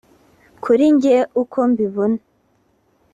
Kuri njye uko mbibona